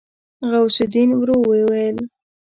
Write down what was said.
غوث الدين ورو وويل.